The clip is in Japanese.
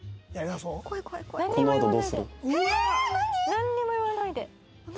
なんにも言わないで。